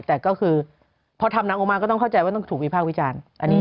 แต่ก็คือพอทำหนังออกมาก็ต้องเข้าใจว่าต้องถูกวิพากษ์วิจารณ์